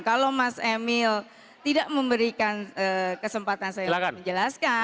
kalau mas emil tidak memberikan kesempatan saya untuk menjelaskan